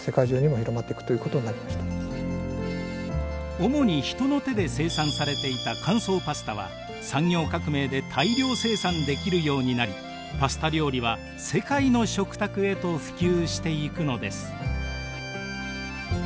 主に人の手で生産されていた乾燥パスタは産業革命で大量生産できるようになりパスタ料理は世界の食卓へと普及していくのです。